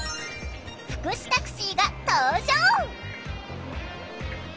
福祉タクシーが登場！